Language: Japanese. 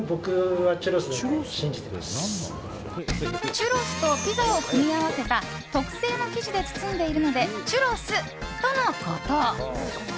チュロスとピザを組み合わせた特製の生地で包んでいるのでチュロスとのこと。